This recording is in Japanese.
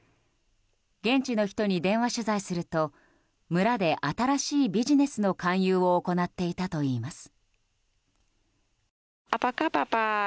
現地の人に電話取材すると村で新しいビジネスの勧誘を行っていたといいます。